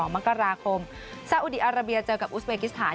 มกราคมซาอุดีอาราเบียเจอกับอุสเบกิสถาน